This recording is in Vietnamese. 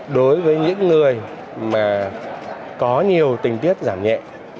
đối với những người mà có nhiều tình tiết giảm nhẹ